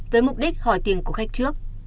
với mục đích hỏi tiền của khách trước